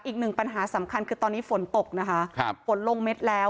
อีกหนึ่งปัญหาสำคัญคือตอนนี้ฝนตกนะคะครับฝนลงเม็ดแล้ว